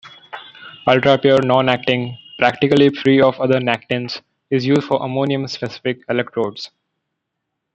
Ultrapure nonactin, practically free of other nactins, is used for ammonium-specific electrodes.